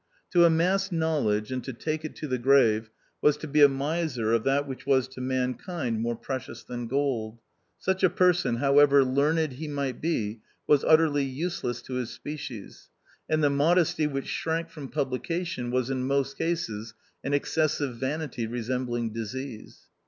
To amass know ledge, and to take it to the grave, was to be a miser of that which was to mankind more precious than gold. Such a person, how ever learned he might be, was utterly use less to his" species ; and the modesty which shrank from publication was in most cases an excessive vanity resembling disease.